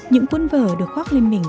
những cuốn vở được khoác lên mình